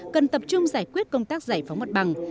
cần tập trung giải quyết công tác giải phóng mặt bằng